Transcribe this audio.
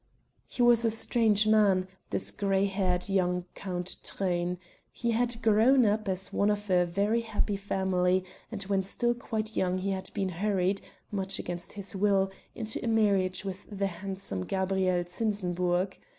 He was a strange man, this grey haired young Count Truyn; he had grown up as one of a very happy family and when still quite young he had been hurried, much against his will, into a marriage with the handsome Gabrielle Zinsenburg.